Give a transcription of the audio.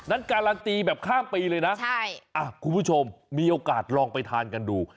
การันตีแบบข้ามปีเลยนะคุณผู้ชมมีโอกาสลองไปทานกันดู